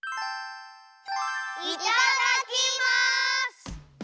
いただきます！